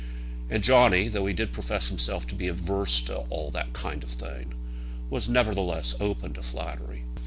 And Johnny, though he did profess himself to be averse to "all that kind of thing," was nevertheless open to flattery.